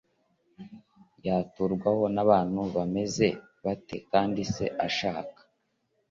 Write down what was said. Yaturwaho n abantu bameze bate kandi se ashaka